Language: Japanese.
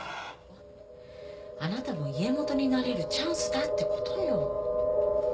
・あなたも家元になれるチャンスだってことよ。